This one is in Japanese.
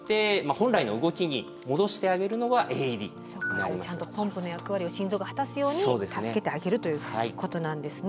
ちゃんとポンプの役割を心臓が果たすように助けてあげるということなんですね。